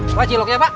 coba ciloknya pak